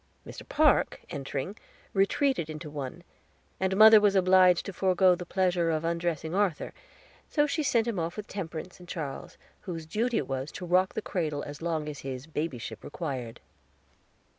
Mr. Park, entering, retreated into one, and mother was obliged to forego the pleasure of undressing Arthur; so she sent him off with Temperance and Charles, whose duty it was to rock the cradle as long as his babyship required.